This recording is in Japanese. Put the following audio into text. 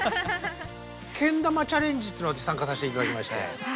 けん玉チャレンジというの私参加させて頂きまして。